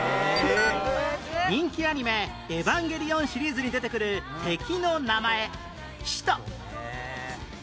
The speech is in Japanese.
人気アニメ『エヴァンゲリオン』シリーズに出てくる敵の名前「使徒」